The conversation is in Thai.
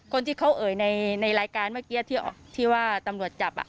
คนที่เขาเอ่ยในรายการเมื่อกี้ที่ว่าตำรวจจับ